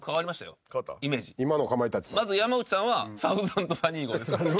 まず山内さんはサウザンド・サニー号です。